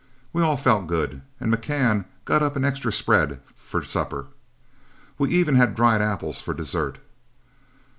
We all felt good, and McCann got up an extra spread for supper. We even had dried apples for dessert.